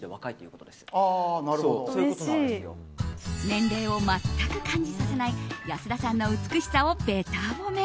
年齢を全く感じさせない安田さんの美しさをべた褒め。